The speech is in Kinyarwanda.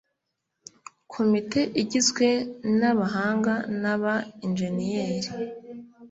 komite igizwe nabahanga naba injeniyeri